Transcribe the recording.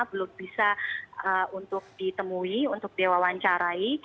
belum bisa untuk ditemui untuk diwawancarai